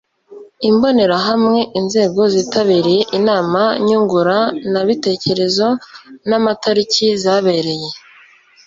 Imbonerahamwe Inzego zitabiriye inama nyunguranabitekerezo n amatariki zabereye